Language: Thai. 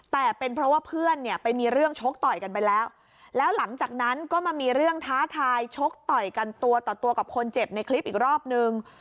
แต่เป็นเพราะว่าเพื่อนเนี่ยไปมีเรื่องชกต่อยกันไปแล้วแล้วหลังจากนั้นก็มามีเรื่องท้าทายชกต่อยกันตัวต่อตัวกับคนเจ็บในคลิปอีกรอบนึง